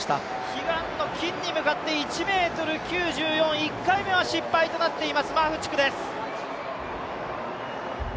悲願の金に向かって１ｍ９４、１回目は失敗となっています、マフチクです。